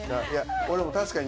俺も確かに。